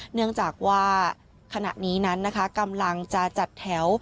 เนื่องจากว่าขณะนี้นั้นนะคะกำลังจะจัดแถว